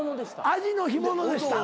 「アジの干物でした」